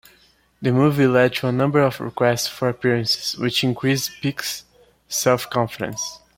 The movie led to a number of requests for appearances, which increased Peek's self-confidence.